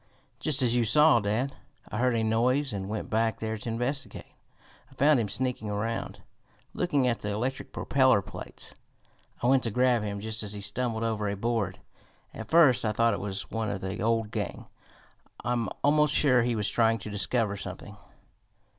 "Just as you saw, dad. I heard a noise and went back there to investigate. I found him sneaking around, looking at the electric propeller plates. I went to grab him just as he stumbled over a board. At first I thought it was one of the old gang. I'm almost sure he was trying to discover something."